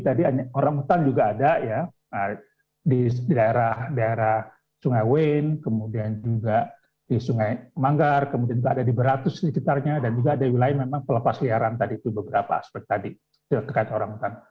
ada wilayah memang pelepas liaran tadi itu beberapa aspek tadi terkait orang hutan